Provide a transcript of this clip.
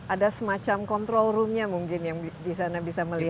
ada semacam kontrol roomnya mungkin yang di sana bisa melihat